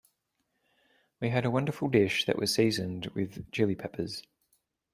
We had a wonderful dish that was seasoned with Chili Peppers.